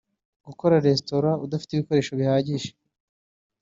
Gukora restaurant udafite ibikoresho bihagije